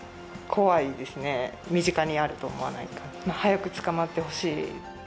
怖いですね、身近にあると思わないから。早く捕まってほしい。